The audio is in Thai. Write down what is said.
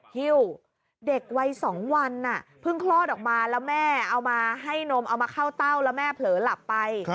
ฮิ้วเด็กวัย๒วันเพิ่งคลอดออกมาแล้วแม่เอามาให้นมเอามาเข้าเต้าแล้วแม่เผลอหลับไป